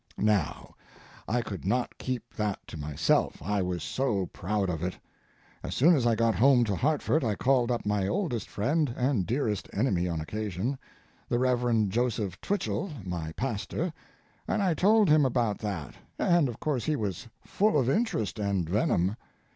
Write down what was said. Now, I could not keep that to myself—I was so proud of it. As soon as I got home to Hartford I called up my oldest friend—and dearest enemy on occasion—the Rev. Joseph Twichell, my pastor, and I told him about that, and, of course, he was full of interest and venom.